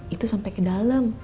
itu sampai ke dalam